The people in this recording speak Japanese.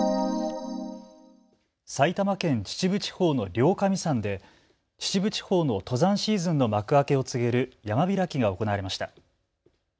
埼玉県秩父地方の両神山で秩父地方の登山シーズンの幕開けを告げる山開きが行われました。